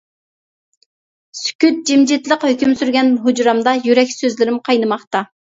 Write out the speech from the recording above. سۈكۈت جىمجىتلىق ھۆكۈم سۈرگەن ھۇجرامدا يۈرەك سۆزلىرىم قاينىماقتا.